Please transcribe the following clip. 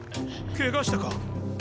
ケガしたか？